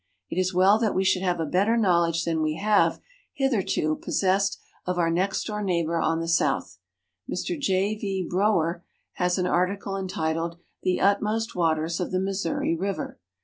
It is well that we should have a better knowledge than we have hitherto possessed of our next door neighbor on the south. Mr J. V. Brower has an article entitled " The Utmost Waters of the Missouri River."